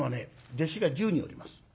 弟子が１０人おります。